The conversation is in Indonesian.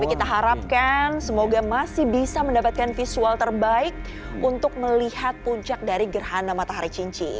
kita harapkan semoga masih bisa mendapatkan visual terbaik untuk melihat puncak dari gerhana matahari cincin